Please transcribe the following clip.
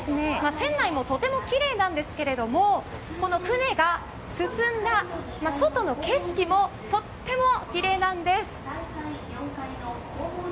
船内もとてもきれいなんですが船が進んだ外の景色もとてもきれいなんです。